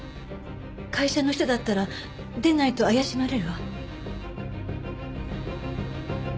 会社の人だったら出ないと怪しまれるわ。